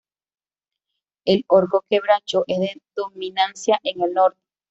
El orco quebracho es de dominancia en el norte.